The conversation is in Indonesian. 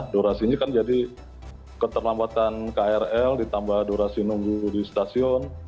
durasinya kan jadi keterlambatan krl ditambah durasi nunggu di stasiun